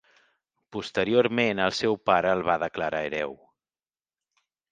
Posteriorment el seu pare el va declarar hereu.